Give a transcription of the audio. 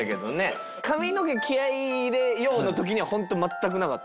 髪の毛気合入れようの時にはホント全くなかった？